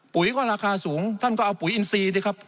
ปุ๋ยก็ราคาสูงท่านก็เอาปุ๋ยอินซีสิครับ